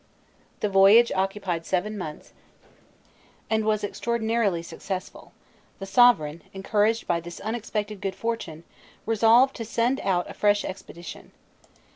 The voyage occupied seven months, and was extraordinarily successful: the sovereign, encouraged by this unexpected good fortune, resolved to send out a fresh expedition.